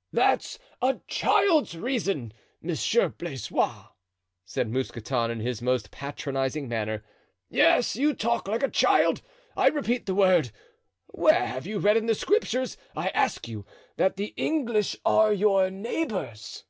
'" "That is a child's reason, Monsieur Blaisois," said Mousqueton in his most patronizing manner. "Yes, you talk like a child—I repeat the word. Where have you read in the Scriptures, I ask you, that the English are your neighbors?"